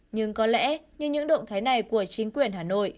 nhưng có lẽ như những động thái này của chính quyền hà nội